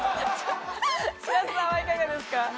白洲さんはいかがですか？